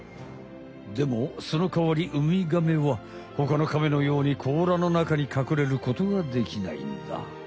でもそのかわりウミガメは他のカメのように甲羅の中にかくれることはできないんだ。